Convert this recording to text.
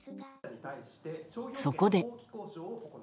そこで。